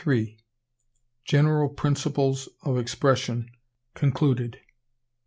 GENERAL PRINCIPLES OF EXPRESSION—concluded.